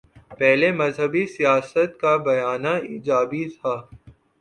پہلے مذہبی سیاست کا بیانیہ ایجابی تھا۔